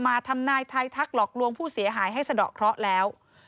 ทำนายไทยทักหลอกลวงผู้เสียหายให้สะดอกเคราะห์แล้ว